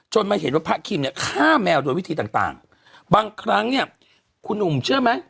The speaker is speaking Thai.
มาเห็นว่าพระคิมเนี่ยฆ่าแมวโดยวิธีต่างบางครั้งเนี่ยคุณหนุ่มเชื่อไหม